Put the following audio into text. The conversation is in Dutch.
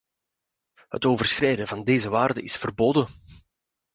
Het overschrijden van deze waarden is verboden.